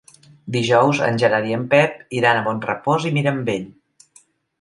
Dijous en Gerard i en Pep iran a Bonrepòs i Mirambell.